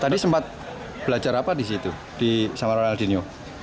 tadi sempat belajar apa di situ sama ronaldinho